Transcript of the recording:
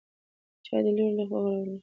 چای د لور له خوا راوړل شو.